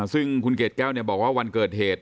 ซึ่งอาทิตย์เกียรติแก้วบอกว่าวันเกิดเหตุ